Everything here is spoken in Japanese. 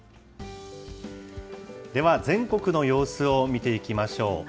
では、全国の様子を見ていきましょう。